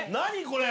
これ。